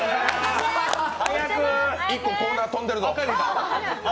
１個、コーナー、飛んでるぞ。